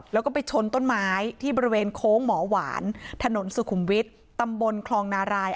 แล้วก็ไปชนต้นไม้ที่บริเวณโค้งหมอหวานถนนสุขุมวิทย์ตำบลคลองนาราย